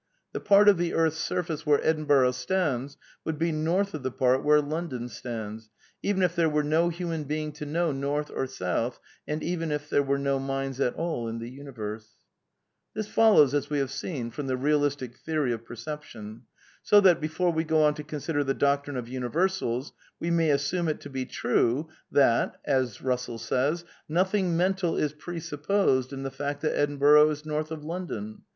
... The part of the earth's surface where Edinburgh stands would be north of the part where London stands, even if there were no human being to know north or south, and even if there were no minds at all in the universe." {Ihid. pp. 161, 162.) This follows, as we have seen, from the realistic theory of perception, so that, before we go on to consider the doctrine of universals, we may assume it to be true that '^nothing mental is presupposed in the fact that Edinburgh is north of London.